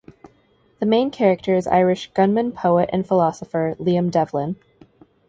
The main character is Irish gunman, poet, and philosopher Liam Devlin.